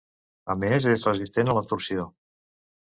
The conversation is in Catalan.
A més és resistent a la torsió.